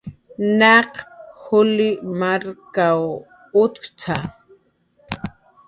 "Naq juli markaw utkt""a"